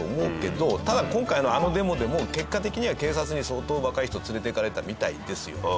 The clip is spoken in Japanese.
ただ今回のあのデモでもう結果的には警察に相当若い人連れて行かれたみたいですよ。